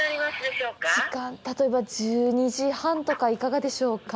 例えば、１２時半とか、いかがでしょうか？